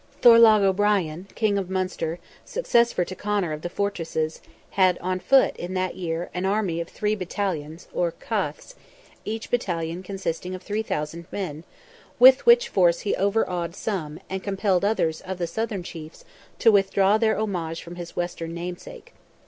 Thorlogh O'Brien, King of Munster, successor to Conor of the fortresses, had on foot, in that year, an army of three battalions (or caths), each battalion consisting of 3,000 men, with which force he overawed some, and compelled others of the southern chiefs to withdraw their homage from his western namesake.